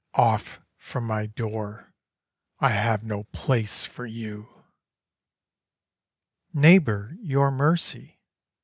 "Off from my door! I have no place for you." Neighbour, your mercy!